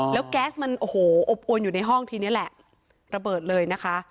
แล้วแก๊สมันโอ้โหอบอวนอยู่ในห้องทีนี้แหละระเบิดเลยนะคะ